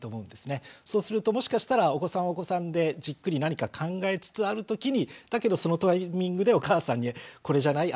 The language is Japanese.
そうするともしかしたらお子さんはお子さんでじっくり何か考えつつあるときにだけどそのタイミングでお母さんにこれじゃない？